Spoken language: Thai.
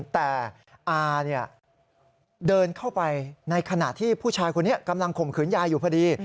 แต่อาเดินเข้าไปในขณะที่ผู้ชายคนนี้กำลังข่มขืนยายอยู่พอดี